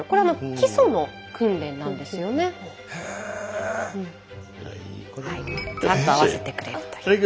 ピタッと合わせてくれるという。